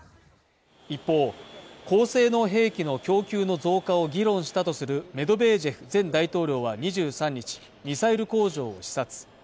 一方、高性能兵器の供給の増加を議論したとするメドベージェフ前大統領は２３日ミサイル工場を視察